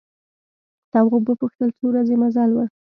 تواب وپوښتل څو ورځې مزل و.